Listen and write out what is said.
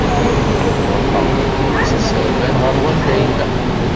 Ruḥeɣ s zzerban ɣer wanda yella.